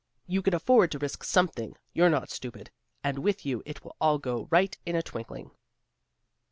You can afford to risk something; you're not stupid; and with you it will all go right in a twinkling."